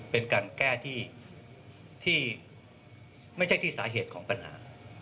เป็นการแก้ที่ไม่ใช่ที่สาเหตุของปัญหา